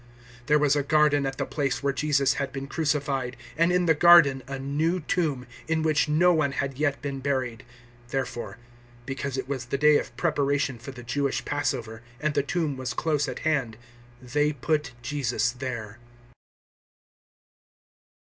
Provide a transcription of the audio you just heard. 019:041 There was a garden at the place where Jesus had been crucified, and in the garden a new tomb, in which no one had yet been buried. 019:042 Therefore, because it was the day of Preparation for the Jewish Passover, and the tomb was close at hand, they put Jesus there.